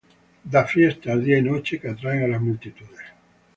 Da fiestas día y noche, que atraen a las multitudes.